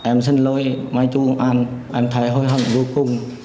em xin lỗi mai chú công an em thấy hối hận vô cùng